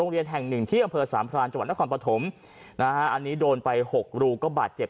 เรียนแห่งหนึ่งที่อำเภอสามพรานจังหวัดนครปฐมนะฮะอันนี้โดนไปหกรูก็บาดเจ็บ